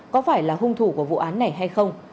có phải là hung thủ của vụ án này hay không